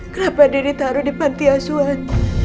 kenapa dia ditaruh di pantiasuan